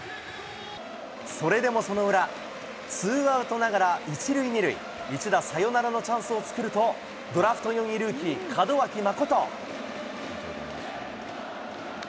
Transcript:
それでもその裏、ツーアウトながら１塁２塁、一打サヨナラのチャンスを作ると、ドラフト４位ルーキー、門脇誠。